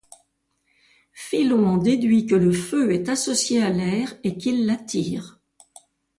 Philon en déduit que le feu est associé à l'air et qu'il l'attire.